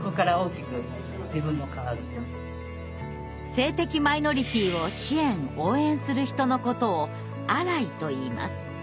性的マイノリティーを支援・応援する人のことを「アライ」といいます。